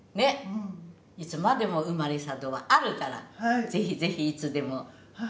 いつまでも生まれ里があるからぜひぜひいつでも。